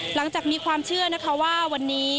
หลังจากมีความเชื่อนะคะว่าวันนี้